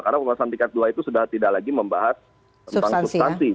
karena pembahasan tingkat dua itu sudah tidak lagi membahas tentang substansi